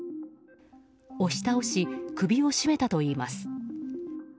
押し倒し、首を絞めたといいます。